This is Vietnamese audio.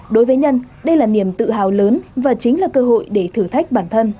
đối với nhân đây là niềm tự hào lớn và chính là cơ hội để thử thách bản thân